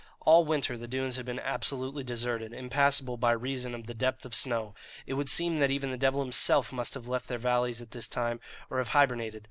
All winter the dunes had been absolutely deserted, impassable by reason of the depth of snow. It would seem that even the devil himself must have left their valleys at this time, or have hibernated.